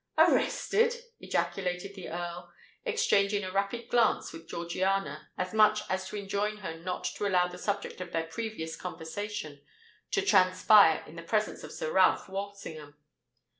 "Arrested!" ejaculated the Earl, exchanging a rapid glance with Georgiana, as much as to enjoin her not to allow the subject of their previous conversation to transpire in the presence of Sir Ralph Walsingham.